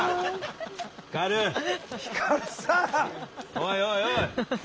おいおいおい！